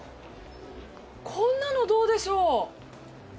こんなのどうでしょう？